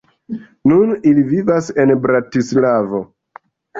Nun ili vivas en Bratislavo.